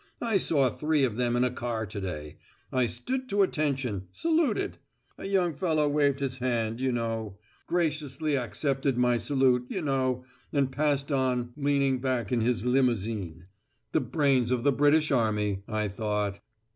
"I saw three of them in a car to day. I stood to attention: saluted. A young fellow waved his hand, you know; graciously accepted my salute, you know, and passed on leaning back in his limousin. The 'Brains of the British Army,' I thought.